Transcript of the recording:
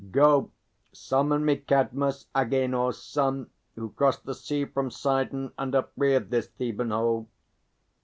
Go, summon me Cadmus, Agênor's son, who crossed the sea From Sidon and upreared this Theban hold.